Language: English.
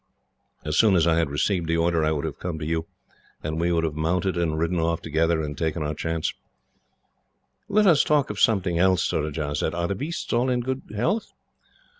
As soon as I had received the order I would have come to you, and we would have mounted and ridden off together, and taken our chance." "Let us talk of something else," Surajah said. "Are the beasts all in good health?"